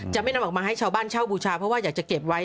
ไม่นำออกมาให้ชาวบ้านเช่าบูชาเพราะว่าอยากจะเก็บไว้